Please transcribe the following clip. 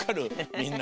みんな。